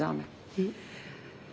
うん。